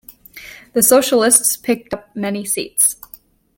The Socialists picked up many seats.